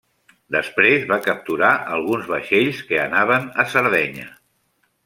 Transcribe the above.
Després va capturar alguns vaixells que anaven a Sardenya.